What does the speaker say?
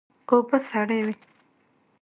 اوبه سړې وې.